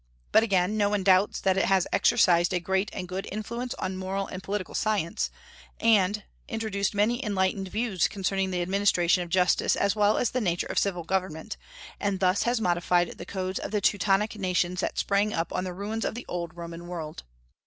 But again, no one doubts that it has exercised a great and good influence on moral and political science, and introduced many enlightened views concerning the administration of justice as well as the nature of civil government, and thus has modified the codes of the Teutonic nations that sprang up on the ruins of the old Roman world.